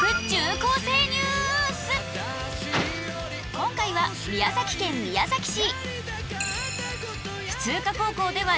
今回は宮崎県宮崎市。